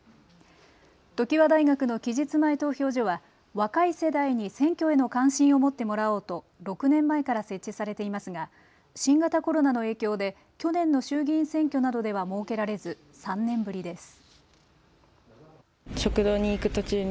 常磐大学の期日前投票所は若い世代に選挙への関心を持ってもらおうと６年前から設置されていますが新型コロナの影響で去年の衆議院選挙などでは設けられず３年ぶりです。